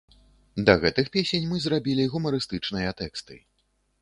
Да гэтых песень мы зрабілі гумарыстычныя тэксты.